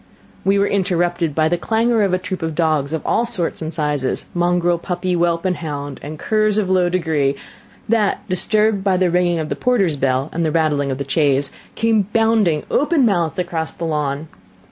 We were interrupted by the clangour of a troop of dogs of all sorts and sizes, "mongrel, puppy, whelp, and hound, and curs of low degree," that, disturbed by the ringing of the porter's bell, and the rattling of the chaise, came bounding, open mouthed, across the lawn.